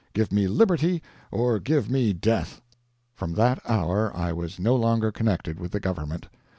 Give me liberty, or give me death!" From that hour I was no longer connected with the government.